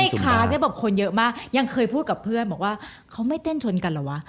คลาสเนี่ยบอกคนเยอะมากยังเคยพูดกับเพื่อนบอกว่าเขาไม่เต้นชนกันเหรอวะ